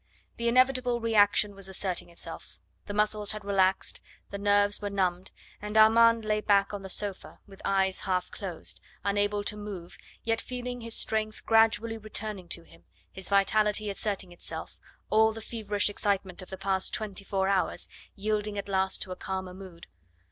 The inevitable reaction was asserting itself; the muscles had relaxed, the nerves were numbed, and Armand lay back on the sofa with eyes half closed, unable to move, yet feeling his strength gradually returning to him, his vitality asserting itself, all the feverish excitement of the past twenty four hours yielding at last to a calmer mood.